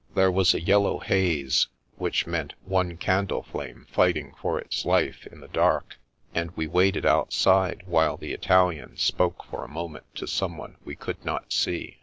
There was a yellow haze, which meant one candle flame fighting for its life in the dark, and we waited outside, while the Italian spoke for a moment to someone we could not see.